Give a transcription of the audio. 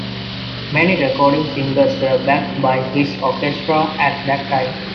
Many recording singers were backed by his orchestra at that time.